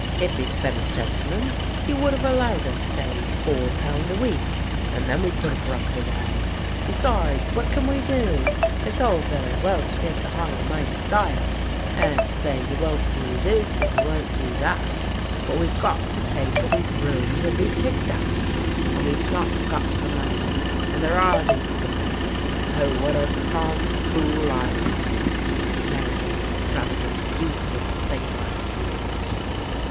If he'd been a gentle man he would have allowed us, say, four pound a week, and then we could have rubbed along. Besides, what can we do ? It's all very well to take the high and mighty style, and say you won't do this, and you won't do that ; but we've got to pay for these rooms or be kicked out. And we've not got the money. And there are these bills. Oh, what a tom fool I was to marry an extravagant, use less thing like you